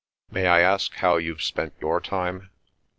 "May I ask how you've spent your time?